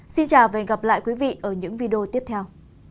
xin chào và hẹn gặp lại quý vị ở những video tiếp theo